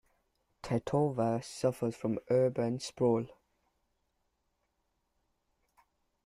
Tetovo suffers from urban sprawl.